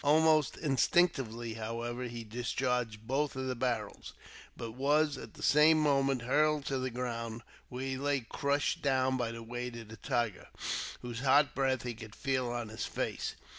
Almost instinctively, however, he discharged both of the barrels; but was, at the same moment, hurled to the ground, where he lay crushed down by the weight of the tiger, whose hot breath he could feel on his face.